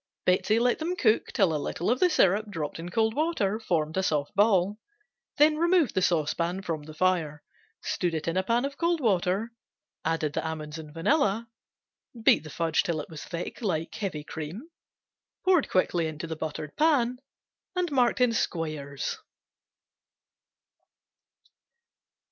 Betsey let them cook till a little of the syrup dropped in cold water formed a soft ball, then removed the saucepan from the fire, stood it in a pan of cold water, added the almonds and vanilla, beat the fudge until it was thick like heavy cream, poured quickly into the buttered pan and marked in squares.